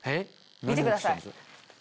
見てください。